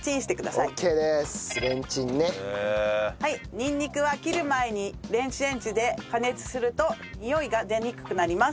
にんにくは切る前に電子レンジで加熱するとにおいが出にくくなります。